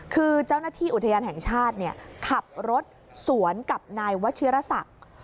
คือเจ้าหน้าที่อุทยานแห่งชาติขับรถสวนกับนายวัชิรษัก